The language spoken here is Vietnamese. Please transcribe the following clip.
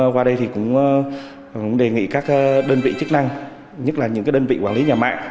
qua đây thì cũng đề nghị các đơn vị chức năng nhất là những đơn vị quản lý nhà mạng